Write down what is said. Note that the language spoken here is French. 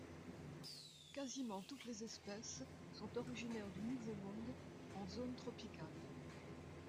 Quasiment toutes les espèces sont originaires du Nouveau Monde, en zone tropicale.